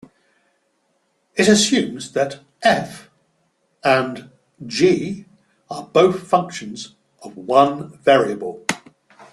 It assumes that "f" and "g" are both functions of one variable.